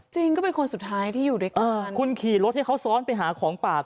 จริงก็เป็นคนสุดท้ายที่อยู่ด้วยกันคุณขี่รถให้เขาซ้อนไปหาของปาก